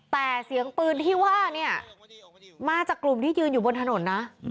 แต่เสียงปืนที่ว่าเนี่ยมาจากกลุ่มที่ยืนอยู่บนถนนนะ